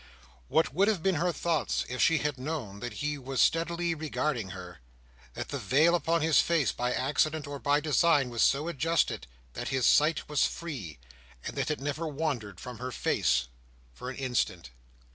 What would have been her thoughts if she had known that he was steadily regarding her; that the veil upon his face, by accident or by design, was so adjusted that his sight was free, and that it never wandered from her face an instant.